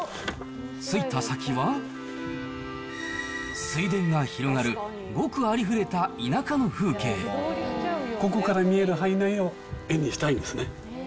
着いた先は、水田が広がる、ごくありふれたここから見える範囲内を絵にしたいですね。